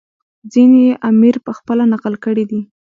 ځینې یې امیر پخپله نقل کړي دي.